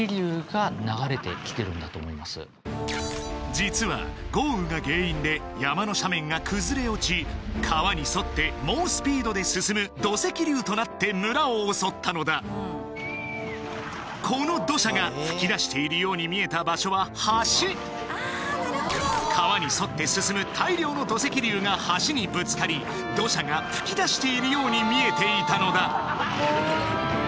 実は豪雨が原因で山の斜面が崩れ落ち川に沿って猛スピードで進む土石流となって村を襲ったのだこの土砂が噴き出しているように見えた場所は橋川に沿って進む大量の土石流が橋にぶつかり土砂が噴き出しているように見えていたのだ